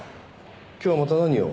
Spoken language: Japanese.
今日はまた何を？